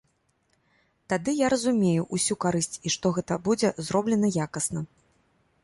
Тады я разумею ўсю карысць і што гэта будзе зроблена якасна.